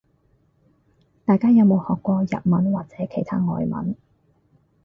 大家有冇學過日文或其他外文